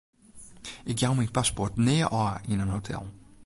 Ik jou myn paspoart nea ôf yn in hotel.